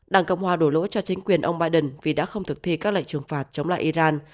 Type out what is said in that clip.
đảng cộng hòa đổ lỗi cho chính quyền ông biden vì đã không thực thi các lệnh trừng phạt chống lại iran